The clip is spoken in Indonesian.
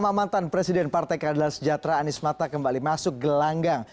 mama mantan presiden partai keadilan sejahtera anies mata kembali masuk gelanggang